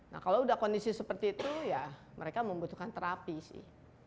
nah kalau udah kondisi seperti itu ya mereka membutuhkan terapi sih